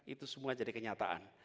itu semua jadi kenyataan